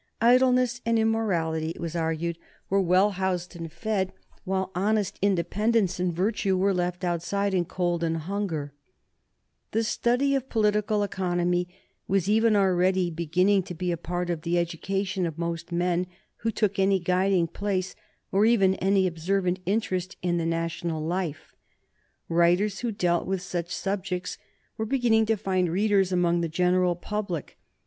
Idleness and immorality, it was argued, were well housed and fed, while honest independence and virtue were left outside in cold and hunger. [Sidenote: 1832 33 A commission on poor law relief] The study of political economy was even already beginning to be a part of the education of most men who took any guiding place or even any observant interest in the national life. Writers who dealt with such subjects were beginning to find readers among the general public.